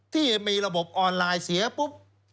ที่มีระบบออนไลน์เสียปุ๊บ